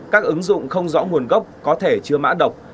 các ứng dụng không rõ nguồn gốc có thể chứa mã độc